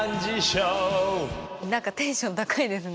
何かテンション高いですね。